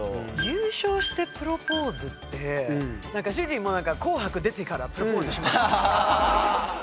「優勝してプロポーズ」ってなんか主人も「紅白」出てからプロポーズします。